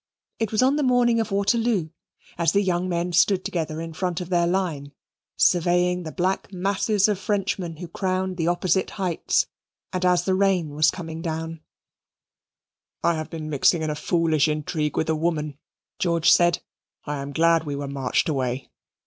It was on the morning of Waterloo, as the young men stood together in front of their line, surveying the black masses of Frenchmen who crowned the opposite heights, and as the rain was coming down, "I have been mixing in a foolish intrigue with a woman," George said. "I am glad we were marched away.